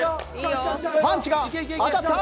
パンチが当たった！